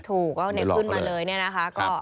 ถูกก็ขึ้นมาเลยเนี่ยนะคะ